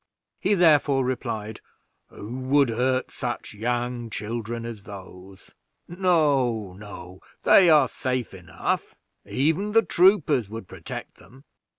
He therefore replied, "Who would hurt such young children as those? No, no, they are safe enough; even the troopers would protect them."